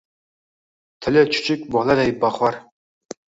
Tili chuchuk boladay bahor